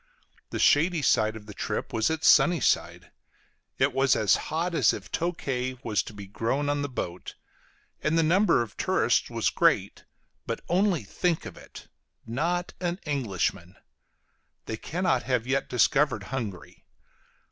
The shady side of the trip was its sunny side; it was as hot as if Tokay was to be grown on the boat: and the number of tourists was great, but only think of it not an Englishman! They cannot yet have discovered Hungary.